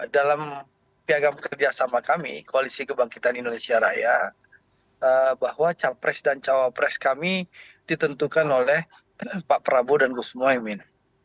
dalam piagam kerjasama kami koalisi kebangkitan indonesia raya bahwa capres dan cawapres kami ditentukan oleh pak prabowo dan gus muhaymin